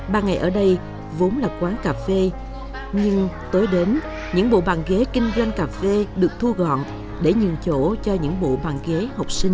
ba ngày ở đây vốn là quán cà phê nhưng tới đến những bộ bàn ghế kinh doanh cà phê được thu gọn để nhường chỗ cho những bộ bàn ghế học sinh